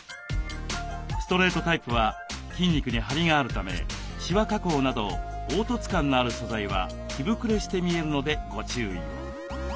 ストレートタイプは筋肉にハリがあるためシワ加工など凹凸感のある素材は着ぶくれして見えるのでご注意を。